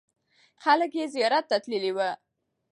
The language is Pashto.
خلک یې زیارت ته تللې وو.